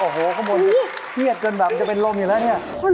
โอ้โหข้างบนเทียดเกินแบบจะเป็นลมอยู่แล้วเนี่ย